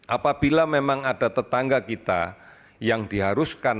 apabila memang ada tetangga kita yang diharuskan